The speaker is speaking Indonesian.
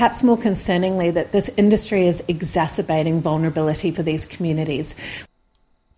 tapi mungkin lebih menariknya industri ini menggabungkan keperluan untuk komunitas komunitas ini